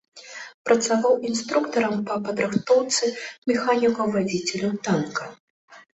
Працаваў інструктарам па падрыхтоўцы механікаў-вадзіцеляў танка.